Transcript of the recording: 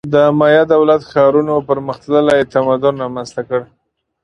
د مایا دولت-ښارونو پرمختللی تمدن رامنځته کړ.